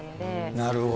なるほど。